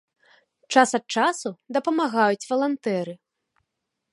Час ад часу дапамагаюць валантэры.